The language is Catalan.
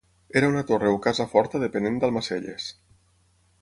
Era una torre o casa forta depenent d'Almacelles.